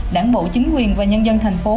đảng bộ chính quyền và nhân dân thành phố